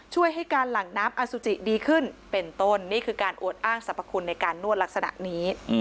ช่วยให้การหลั่งน้ำอสุจิดีขึ้นเป็นต้นนี่คือการอวดอ้างสรรพคุณในการนวดลักษณะนี้